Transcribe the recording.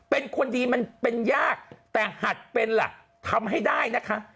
เป็นคนดีมันเป็นยากแต่หัดเป็นหลักทำให้ได้นะคะ